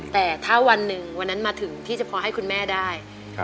แต่ถ้าวันหนึ่งวันนั้นมาถึงที่จะพอให้คุณแม่ได้